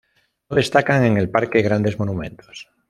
No destacan en el parque grandes monumentos.